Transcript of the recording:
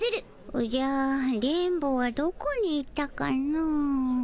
おじゃ電ボはどこに行ったかの？